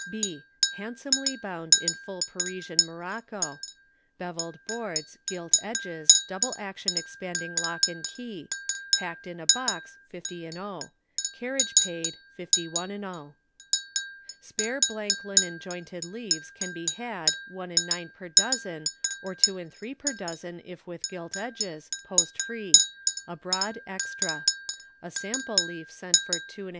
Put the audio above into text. B. Handsomely bound in full Persian morocco, bevelled boards, gilt edges, double action expanding lock and key; packed in a box, 50/ ; carriage paid, 51/ . Spare blank linen jointed leaves can be had, 1/9 per dozen, or 2/3 per dozen if with gilt edges, post free; abroad extra. A sample leaf sent for 2 1/2d.